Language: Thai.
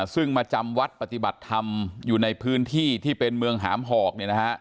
ซึ่งมาจำวัดปฏิบัติธรรมอยู่ในพื้นที่ที่เป็นเมืองหามหอก